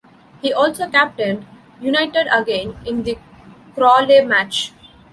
He also captained United again in the Crawley match.